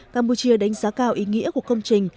campuchia đánh giá cao ý nghĩa của công trình